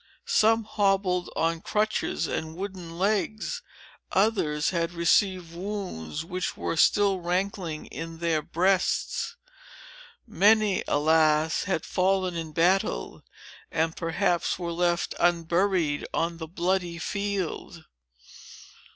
Some hobbled on crutches and wooden legs; others had received wounds, which were still rankling in their breasts. Many, alas! had fallen in battle, and perhaps were left unburied on the bloody field."